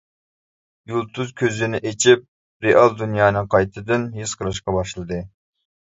يۇلتۇز كۆزىنى ئېچىپ رېئال دۇنيانى قايتىدىن ھېس قىلىشقا باشلىدى.